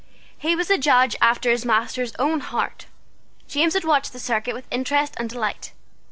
He was a judge after his master's own heart. James had watched the circuit with interest and delight.